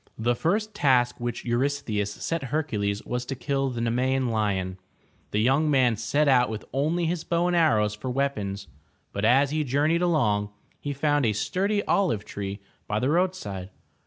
The first task which Eurystheus set Hercules was to kill the Nemean lion. The young man set out with only his bow and arrows for weapons, but as he journeyed along, he found a sturdy olive tree by the roadside.